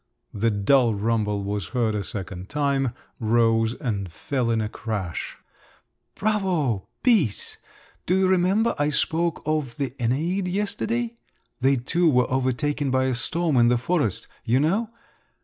The dull rumble was heard a second time, rose, and fell in a crash. "Bravo! Bis! Do you remember I spoke of the Æneid yesterday? They too were overtaken by a storm in the forest, you know.